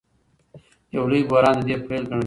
یو لوی بحران د دې پیل ګڼل کېږي.